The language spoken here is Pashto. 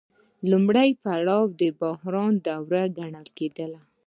لومړی پړاو د بحران دوره ګڼل کېږي